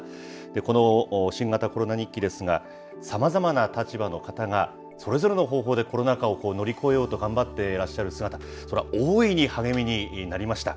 この新型コロナ日記ですが、さまざまな立場の方が、それぞれの方法でコロナ禍を乗り越えようと頑張ってらっしゃる姿、それは大いに励みになりました。